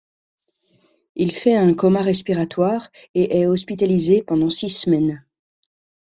Il fait un coma respiratoire et est hospitalisé pendant six semaines.